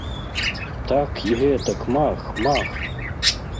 Так і гэтак мах, мах!